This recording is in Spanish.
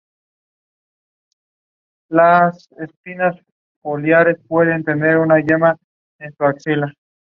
La pared interior desciende directamente desde el borde, sin otros elementos característicos de importancia.